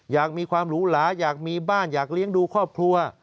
อยากมีความหรูหลาอยากมีบ้านอยากเลี้ยงดูครอบครัว